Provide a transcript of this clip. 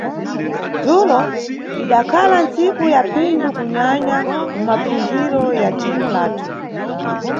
Dzulo idakhala ntsiku ya phindu kunyanya mumapfundziro ya thimu lathu.